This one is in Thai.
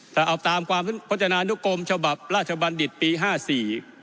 ถ้าเอาตามความพัฒนานุกรมฉบับราชบัณฑิตปีห้าสี่